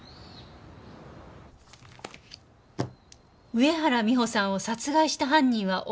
「上原美帆さんを殺害した犯人は女ですか」